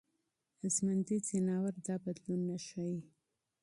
ژوندي حیوانات دا بدلون نه ښيي.